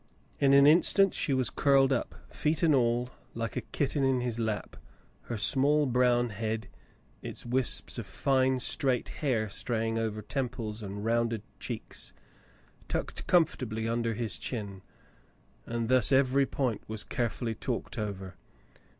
'* In an instant she was curled up, feet and all, like a kitten in his lap, her small brown head, its wisps of fine, straight hair straying over temples and rounded cheeks, tucked comfortably under his chin; and thus every point was carefully talked over.